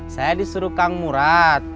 saya disuruh kang murad